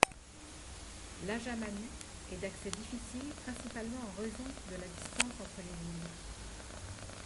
Lajamanu est d'accès difficile principalement en raison de la distance entre les villes.